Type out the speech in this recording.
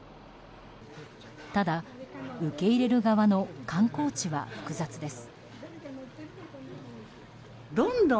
ただ受け入れる側の観光地は複雑です。